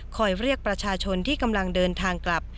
คอยเรียกทางกลับ